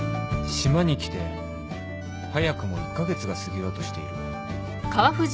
島に来て早くも１カ月が過ぎようとしている